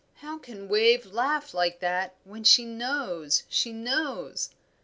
"How can Wave laugh like that when she knows, she knows!"